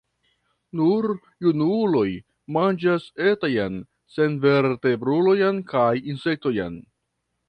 Nur junuloj manĝas etajn senvertebrulojn kaj insektojn.